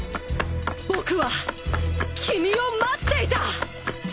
僕は君を待っていた！